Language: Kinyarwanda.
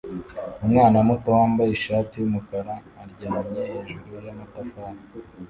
Umwana muto wambaye ishati yumukara aryamye hejuru yamatafari